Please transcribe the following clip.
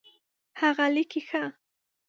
هغه لیکي ښه